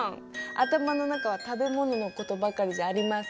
頭の中は食べ物のことばかりじゃありません。